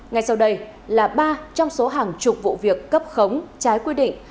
ngay sau đây là ba trong số hàng chục vụ việc cấp khống trái quy định